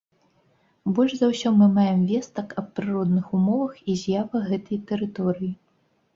Больш за ўсё мы маем вестак аб прыродных умовах і з'явах гэтай тэрыторыі.